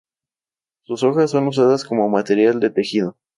Sus hojas son usadas como material de tejido.